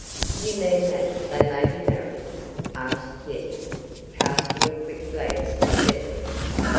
"You mean that they may be married?" asked Yetive, casting a quick glance at Beverly.